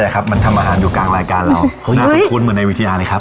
ใครอ่ะครับมันทำอาหารอยู่กลางรายการเราเฮ้ยเฮ้ยน่าคุ้นคุ้นเหมือนในวิทยาเลยครับ